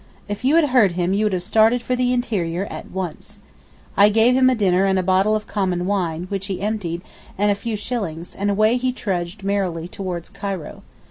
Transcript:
If you had heard him you would have started for the interior at once. I gave him a dinner and a bottle of common wine, which he emptied, and a few shillings, and away he trudged merrily towards Cairo.